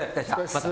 また。